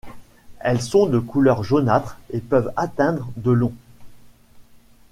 Elles sont de couleur jaunâtre et peuvent atteindre de long.